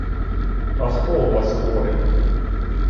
А хто у вас хворий?